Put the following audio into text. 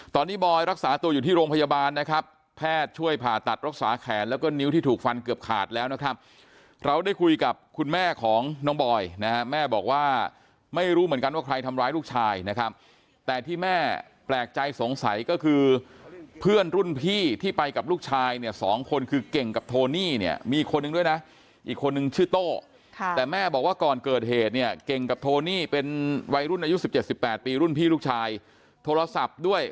ตอนนี้บอยรักษาตัวอยู่ที่โรงพยาบาลนะครับแพทย์ช่วยผ่าตัดรักษาแขนแล้วก็นิ้วที่ถูกฟันเกือบขาดแล้วนะครับเราได้คุยกับคุณแม่ของน้องบอยนะแม่บอกว่าไม่รู้เหมือนกันว่าใครทำร้ายลูกชายนะครับแต่ที่แม่แปลกใจสงสัยก็คือเพื่อนรุ่นพี่ที่ไปกับลูกชายเนี่ย๒คนคือเก่งกับโทนี่เนี่ยมีคนด้วย